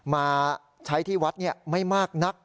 มาใช้ที่วัดไม่มากนัก